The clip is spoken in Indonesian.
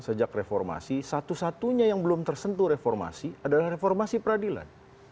sejak reformasi satu satunya yang belum tersentuh reformasi adalah reformasi peradilan